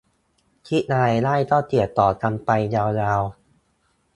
คิดอะไรได้ก็เขียนต่อกันไปยาวยาว